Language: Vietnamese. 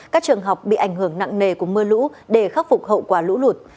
các trường học bị ảnh hưởng nặng nề của mưa lũ để khắc phục hậu quả lũ lụt